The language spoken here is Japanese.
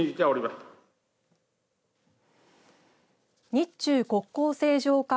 日中国交正常化